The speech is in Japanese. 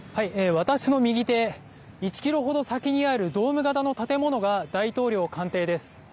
私の右手１キロ程先にあるドーム形の建物が大統領官邸です。